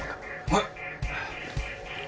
はい！